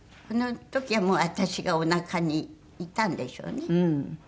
その時はもう私がおなかにいたんでしょうね。